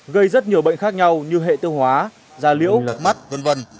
gây rất nhiều bệnh khác nhau như hệ tiêu hóa da lưỡng lật mắt v v